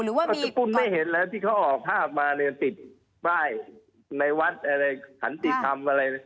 สกุลไม่เห็นแล้วที่เขาออกภาพมาเนี่ยติดป้ายในวัดอะไรขันติธรรมอะไร